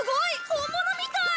本物みたい！